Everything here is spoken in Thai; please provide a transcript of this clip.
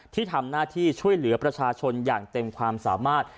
ที่ทำหน้าที่ช่วยเหลือประชาชนอย่างเต็มความสามารถ